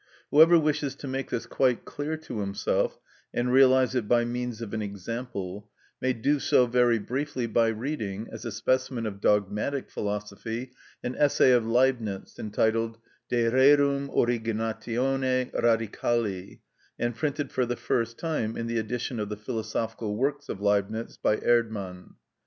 Whoever wishes to make this quite clear to himself, and realise it by means of an example, may do so very briefly by reading, as a specimen of dogmatic philosophy, an essay of Leibnitz entitled "De Rerum Originatione Radicali," and printed for the first time in the edition of the philosophical works of Leibnitz by Erdmann (vol.